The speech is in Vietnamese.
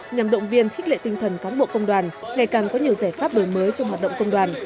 nhằm động viên khích lệ tinh thần cán bộ công đoàn ngày càng có nhiều giải pháp đổi mới trong hoạt động công đoàn